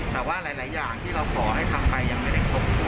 แต่ว่าหลายอย่างที่เราขอให้ทำไปยังไม่ได้ครบ